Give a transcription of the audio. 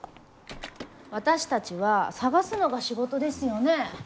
私たちは探すのが仕事ですよね？